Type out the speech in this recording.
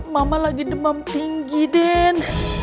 mama lagi demam tinggi den